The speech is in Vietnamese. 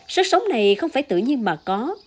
sức sống này không phải tự nhiên mà có